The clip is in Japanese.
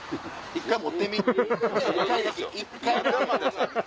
一回持ってみ。